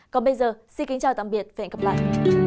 còn bây giờ xin kính chào tạm biệt và hẹn gặp lại